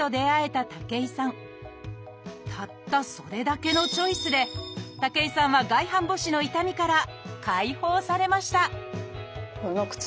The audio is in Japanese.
たったそれだけのチョイスで武井さんは外反母趾の痛みから解放されました